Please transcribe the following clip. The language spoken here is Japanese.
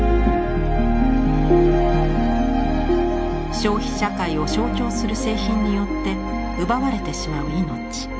消費社会を象徴する製品によって奪われてしまう命。